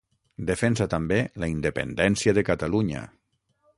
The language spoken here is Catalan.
Defensa també la independència de Catalunya.